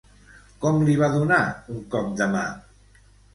Com li va donar un cop de mà?